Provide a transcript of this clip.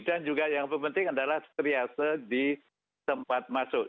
dan juga yang penting adalah seriasa di tempat masuk